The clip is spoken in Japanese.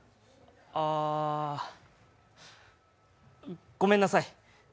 あ、ごめんなさい。